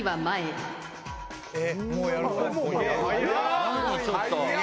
何ちょっと。